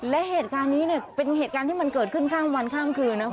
และเหตุการณ์นี้เนี่ยเป็นเหตุการณ์ที่มันเกิดขึ้นข้ามวันข้ามคืนนะคุณ